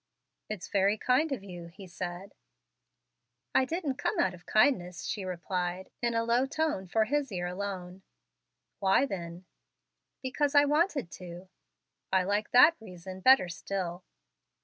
"It's very kind of you," he said. "I didn't come out of kindness," she replied, in a low tone for his ear alone. "Why then?" "Because I wanted to." "I like that reason better still."